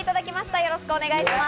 よろしくお願いします。